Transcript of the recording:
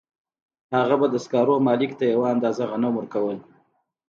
هغه به د سکارو مالک ته یوه اندازه غنم ورکول